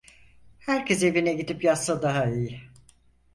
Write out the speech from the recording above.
Herkes evine gidip yatsa daha iyi.